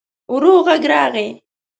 ورو غږ راغی.